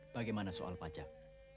bagaimana soal pajak